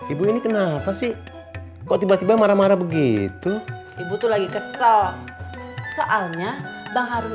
ibu ini kenapa sih kok tiba tiba marah marah begitu ibu tuh lagi kesal soalnya bang harus